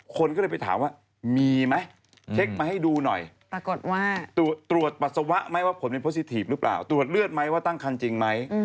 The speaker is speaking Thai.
คนก็เลยไปถามว่ามีไหมเช็คมาให้ดูหน่อยปรากฏว่าตรวจปัสสาวะไหมว่าผลเป็นโพซิทีฟหรือเปล่าตรวจเลือดไหมว่าตั้งคันจริงไหม